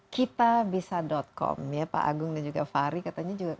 kitabisa com ya pak agung dan juga fahri katanya juga